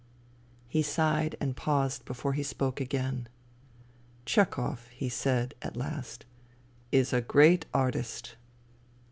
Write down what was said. ..." He sighed and paused before he spoke again. " Chehov," he said at last, " is a great artist.